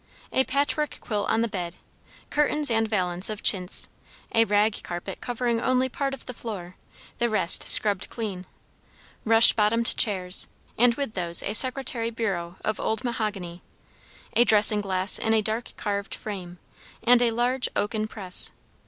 A patchwork quilt on the bed; curtains and valance of chintz; a rag carpet covering only part of the floor, the rest scrubbed clean; rush bottomed chairs; and with those a secretary bureau of old mahogany, a dressing glass in a dark carved frame, and a large oaken press.